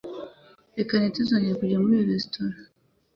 Reka ntituzongere kujya muri iyo resitora